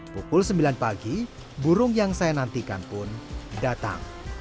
pukul sembilan pagi burung yang saya nantikan pun datang